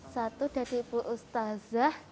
satu dari ibu ustazah